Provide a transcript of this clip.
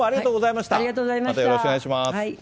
またよろしくお願いします。